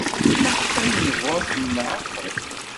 Maɣef ad nebɣu ad kem-nɛaqeb?